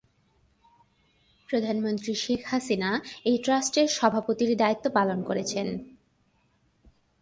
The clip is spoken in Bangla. প্রধানমন্ত্রী শেখ হাসিনা এই ট্রাস্টের সভাপতির দায়িত্ব পালন করছেন।